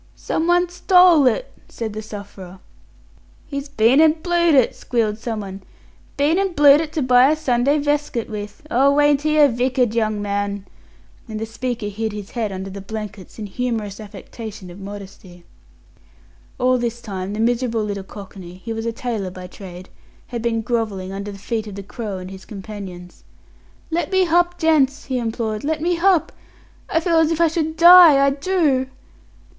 "Someone stole it," said the sufferer. "He's been an' blued it," squealed someone. "Been an' blued it to buy a Sunday veskit with! Oh, ain't he a vicked young man?" And the speaker hid his head under the blankets, in humorous affectation of modesty. All this time the miserable little cockney he was a tailor by trade had been grovelling under the feet of the Crow and his companions. "Let me h'up, gents" he implored "let me h'up. I feel as if I should die I do."